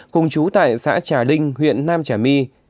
cùng chú tại xã trà linh huyện nam trà my